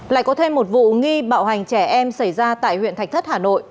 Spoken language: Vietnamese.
lại có thêm một vụ nghi bạo hành trẻ em xảy ra tại huyện thạch thất hà nội